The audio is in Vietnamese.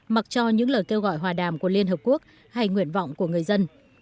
mặc cho những lời kêu gọi hòa đàm của liên hợp quốc hay nguyện vọng của người dân